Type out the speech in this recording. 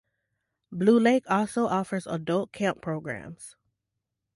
Blue Lake also offers adult camp programs.